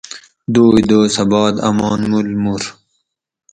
دوئی دوسہ بعد امان مول مور